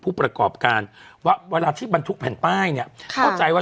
ผู้ประกอบการว่าเวลาที่บรรทุกแผ่นป้ายเนี่ยเข้าใจว่า